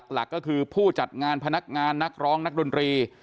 หลักก็คือผู้จัดงานพนักงานนักร้องนักดนตรี